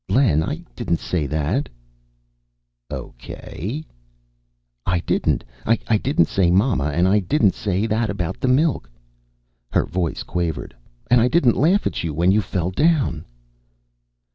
"Len, I didn't say that." "Okay." "I didn't. I didn't say mama and I didn't say that about the milk." Her voice quavered. "And I didn't laugh at you when you fell down."